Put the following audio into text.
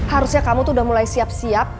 harusnya kamu tuh udah mulai siap siap